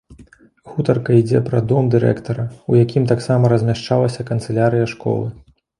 Гутарка ідзе пра дом дырэктара, у якім таксама размяшчалася канцылярыя школы.